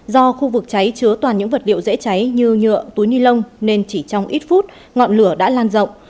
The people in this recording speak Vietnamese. do khu vực cháy chứa toàn những vật liệu dễ cháy như nhựa túi ni lông nên chỉ trong ít phút ngọn lửa đã lan rộng